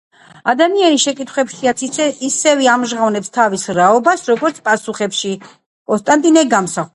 ადამიანი შეკითხვებშიაც ისევე ამჟღავნებს თავის რაობას, როგორც პასუხებში.” – კონსტანტინე გამსახურდია.